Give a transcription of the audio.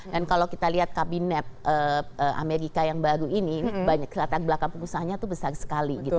dan kalau kita lihat kabinet amerika yang baru ini selatan belakang pengusahanya itu besar sekali gitu